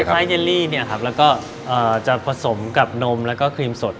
คล้ายเยลลี่เนี่ยครับแล้วก็จะผสมกับนมแล้วก็ครีมสด